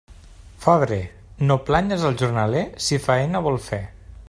Febrer, no planyes el jornaler si faena vol fer.